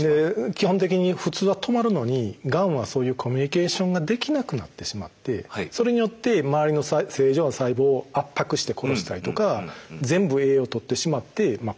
基本的に普通は止まるのにがんはそういうコミュニケーションができなくなってしまってそれによって周りの正常な細胞を圧迫して殺したりとか全部栄養をとってしまって殺したりとか。